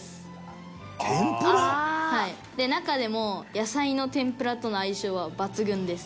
中でも野菜の天ぷらとの相性は抜群です。